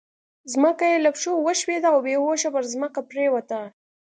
ځمکه يې له پښو وښوېده او بې هوښه پر ځمکه پرېوته.